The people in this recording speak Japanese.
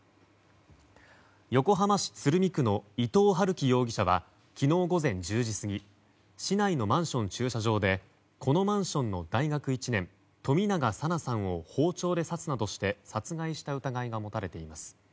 横浜市鶴見区の伊藤龍稀容疑者は昨日午前１０時過ぎ市内のマンション駐車場でこのマンションの大学１年冨永紗菜さんを包丁で刺すなどして殺害した疑いが持たれています。